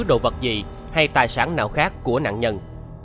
đồ vật gì hay tài sản nào khác của nạn nhân